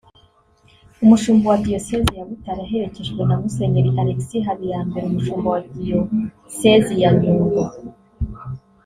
umushumba wa Diyosezi ya Butare aherekejwe na Musenyeri Alexis Habiyambere umushumba wa Diyosezi ya Nyundo